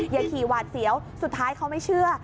อย่าขี่หวาดเสียวสุดท้ายเขาไม่เชื่อ